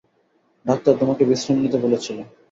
Doctor তোমাকে বিশ্রাম নিতে বলেছিলো।